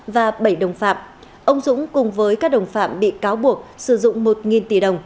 và bảy đồng phạm ông dũng cùng với các đồng phạm bị cáo buộc sử dụng một tỷ đồng